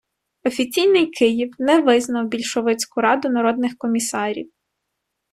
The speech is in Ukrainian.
Офіційний Київ не визнав більшовицьку Раду народних комісарів.